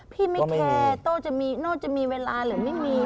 พี่ไม่แคร์โต้จะมีโน่จะมีเวลาหรือไม่มี